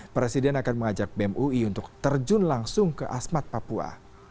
presiden akan mengajak bem ui untuk terjun langsung ke asmat papua